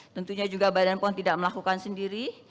tentunya juga badan pom tidak melakukan sendiri